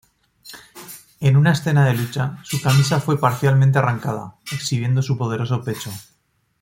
En una escena de lucha, su camisa fue parcialmente arrancada, exhibiendo su poderoso pecho.